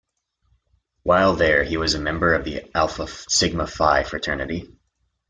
While there, he was a member of Alpha Sigma Phi Fraternity.